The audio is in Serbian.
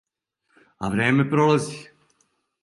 А време пролази.